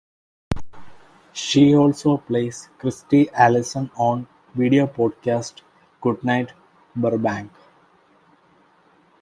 She also plays Christy Allison on the video podcast Goodnight Burbank.